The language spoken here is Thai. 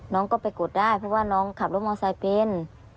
น้องก็ไปกดได้เพราะว่าน้องขับรถมอไซค์เป็น